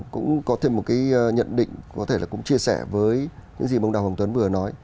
cũng có thêm một cái nhận định có thể là cũng chia sẻ với những gì ông đào hồng tuấn vừa nói